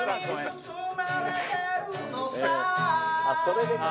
あっそれで。